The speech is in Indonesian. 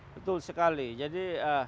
betul sekali jadi